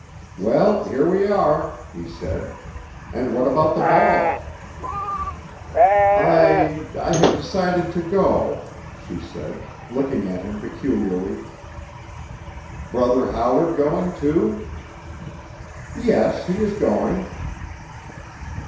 "Well, here we are," he said. "And what about the ball?" "I—I have decided to go," she said, looking at him peculiarly. "Brother Howard going, too?" "Yes—he is going."